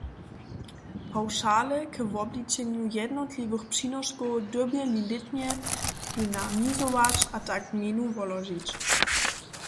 Pawšale k wobličenju jednotliwych přinoškow dyrbjeli lětnje dynamizować a tak gmejnu wolóžić.